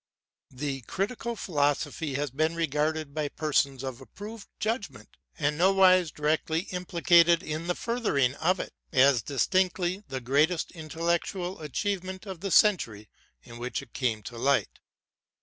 " The Critical Philosophy has been regarded by persons of approved judgment, and nowise directly implicated in the furthering of it, as distinctly the greatest intellectual achievement of the century in which it came to light.